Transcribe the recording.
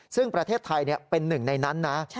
ซึ่งประเทศไทยเป็นหนึ่งในนั้นนะ